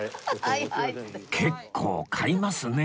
結構買いますね！